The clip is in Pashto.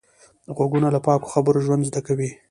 غوږونه له پاکو خبرو ژوند زده کوي